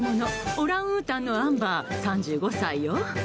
オランウータンのアンバー３５歳よ。